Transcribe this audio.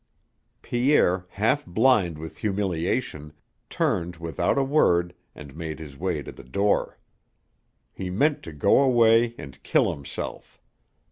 Pierre, half blind with humiliation, turned without a word and made his way to the door. He meant to go away and kill himself.